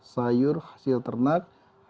sayur hasil ternak